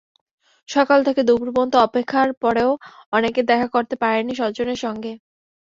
সকাল থেকে দুপুর পর্যন্ত অপেক্ষার পরেও অনেকে দেখা করতে পারেনি স্বজনের সঙ্গে।